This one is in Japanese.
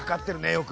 よく。